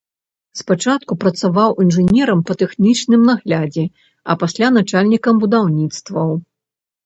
Спачатку працаваў інжынерам па тэхнічным наглядзе, а пасля начальнікам будаўніцтваў.